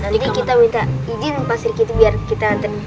nanti kita minta izin pasir gitu biar kita ngantarin